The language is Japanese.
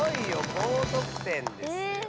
高得点ですよ。